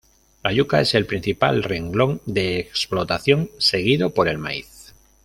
La yuca es el principal renglón de explotación seguido por el maíz.